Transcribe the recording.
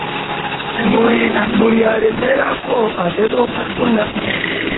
Buli alemerako atera okufuna.